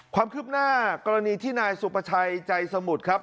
ความคืบหน้ากรณีที่นายสุประชัยใจสมุทรครับ